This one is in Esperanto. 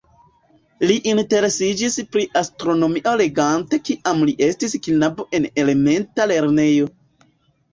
Li interesiĝis pri astronomio legante kiam li estis knabo en elementa lernejo.